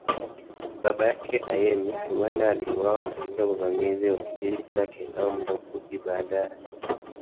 Baba yake, Ayemi, huenda aliuawa katika uvamizi wa kijiji chake au muda mfupi baadaye.